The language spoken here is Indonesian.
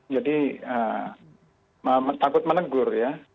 jadi takut menegur ya